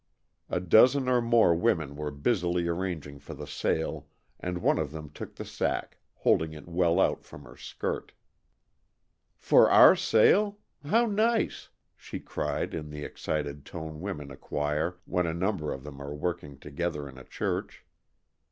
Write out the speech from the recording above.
A dozen or more women were busily arranging for the sale, and one of them took the sack, holding it well out from her skirt. "For our sale? How nice!" she cried in the excited tone women acquire when a number of them are working together in a church.